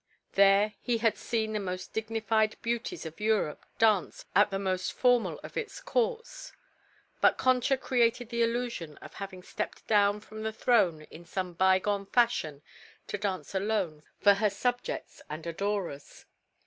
There he had seen the most dignified beauties of Europe dance at the most formal of its courts. But Concha created the illusion of having stepped down from the throne in some bygone fashion to dance alone for her subjects and adorers.